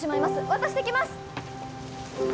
渡してきます